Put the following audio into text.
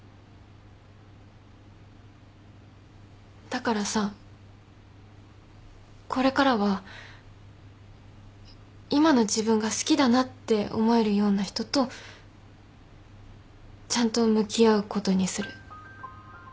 だからさこれからは今の自分が好きだなって思えるような人とちゃんと向き合うことにする。